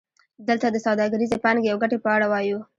دلته د سوداګریزې پانګې او ګټې په اړه وایو